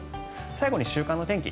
最後に週間の天気